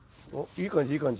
いい感じいい感じ。